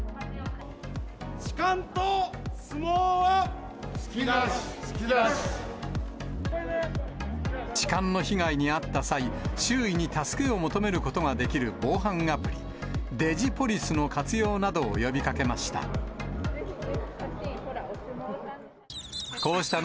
痴漢と相撲は突き出し突き出痴漢の被害に遭った際、周囲に助けを求めることができる防犯アプリ、デジポリスの活用などを呼びかけました。